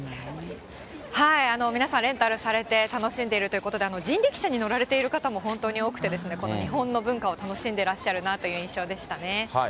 はい、皆さんレンタルされて、楽しんでいるということで、人力車に乗られている方も本当に多くてですね、この日本の文化を楽しんでらっしゃるなという印象でしたね。